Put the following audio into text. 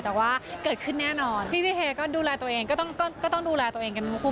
แต่ว่าเกิดขึ้นแน่นอนพี่เฮก็ดูแลตัวเองก็ต้องดูแลตัวเองกัน